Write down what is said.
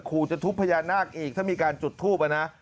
ขู่จะทุบพญานาคอีกถ้ามีการจุดทูปอ่ะนะ